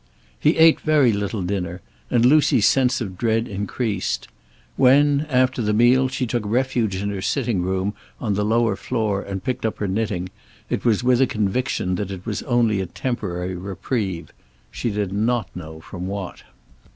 He ate very little dinner, and Lucy's sense of dread increased. When, after the meal, she took refuge in her sitting room on the lower floor and picked up her knitting, it was with a conviction that it was only a temporary reprieve. She did not know from what.